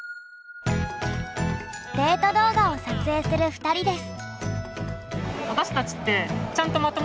デート動画を撮影する２人です。